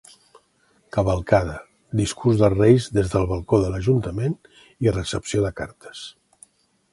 Cavalcada, discurs dels reis des del balcó de l'Ajuntament i recepció de cartes.